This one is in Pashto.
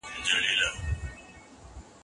هغوی به ډېر ژر خپله دنده پیل کړي.